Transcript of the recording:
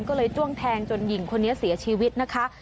ก็เลยจ้วงแทงจนหญิงคนนี้เสียชีวิตนะคะ